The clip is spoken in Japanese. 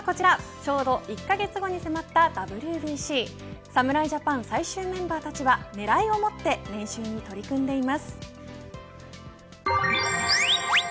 ちょうど１カ月後に迫ったＷＢＣ侍ジャパン最終メンバーたちは狙いを持って練習に取り組んでいます。